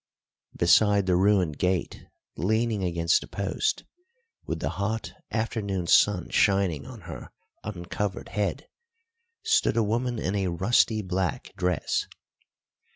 Beside the ruined gate, leaning against a post, with the hot afternoon sun shining on her uncovered head, stood a woman in a rusty black dress.